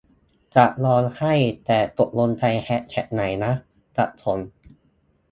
จะร้องไห้ แต่ตกลงใช้แฮชแท็กไหนนะ สับสน